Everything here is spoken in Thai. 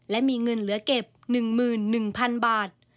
และมีเงินเหลือเก็บ๑๑๐๐๐บาท